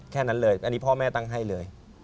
แค่นั้นเลยอันนี้พ่อแม่ตั้งให้เลย